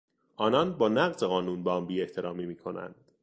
آنان با نقض قانون به آن بیاحترامی میکنند.